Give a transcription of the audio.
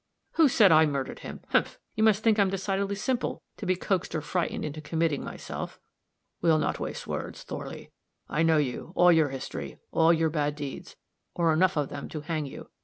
"Who said I murdered him? Humph! you must think I'm decidedly simple to be coaxed or frightened into committing myself." "We'll not waste words, Thorley. I know you, all your history, all your bad deeds or enough of them to hang you.